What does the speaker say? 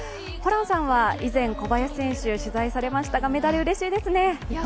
ホランさんは以前、小林選手を取材されましたがメダル、うれしいですね。